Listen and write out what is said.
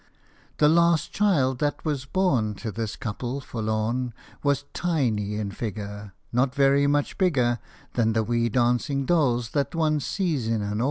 The last child that was born To this couple forlorn Was tiny in figure ; Not very much bigger Than the wee dancing dolls that one sees in an.